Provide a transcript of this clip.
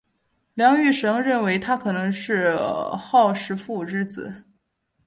梁玉绳认为他可能是虢石父之子。